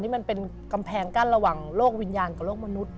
นี่มันเป็นกำแพงกั้นระหว่างโลกวิญญาณกับโลกมนุษย